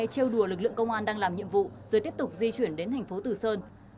treo đùa lực lượng công an đang làm nhiệm vụ rồi tiếp tục di chuyển đến thành phố tử sơn